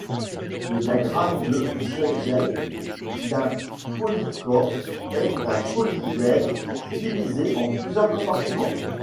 Le diagramme de Schlegel d'un polychore est un polyèdre divisé en plusieurs compartiments.